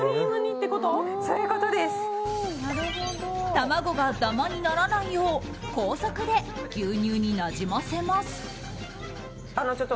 卵がダマにならないよう高速で牛乳になじませます。